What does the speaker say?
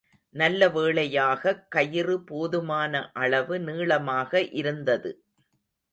நல்லவேளையாகக் கயிறு போதுமான அளவு நீளமாக இருந்தது.